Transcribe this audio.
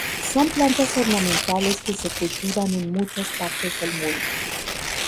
Son plantas ornamentales que se cultivan en muchas partes del mundo.